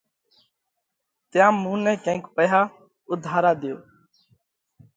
تيام مُون نئہ ڪينڪ پئِيها اُوڌارا ۮيو۔